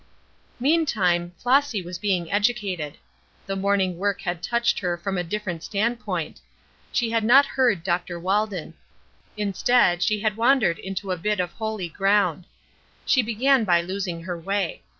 Meantime Flossy was being educated. The morning work had touched her from a different standpoint. She had not heard Dr. Walden; instead she had wandered into a bit of holy ground. She began by losing her way.